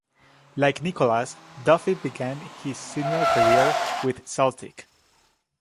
Like Nicholas, Duffy began his senior career with Celtic.